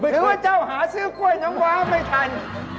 หรือว่าเจ้าหาซื้อกล้วยน้ำว้าไม่ทัน